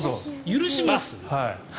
許します。